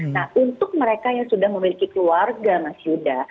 nah untuk mereka yang sudah memiliki keluarga mas yuda